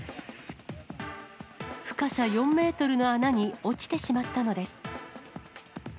深さ４メートルの穴に落ちてしまったのです。